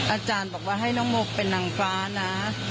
อาจารย์บอกว่าให้น้องมกเป็นนางฟ้านะ